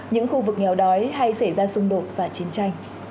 những khu vực nghèo đói hay xảy ra xung đột và chiến tranh